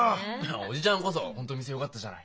叔父ちゃんこそ本当店よかったじゃない。